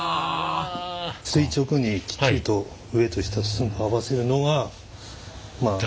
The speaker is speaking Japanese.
垂直にきっちりと上と下寸法合わせるのがまあ難しい。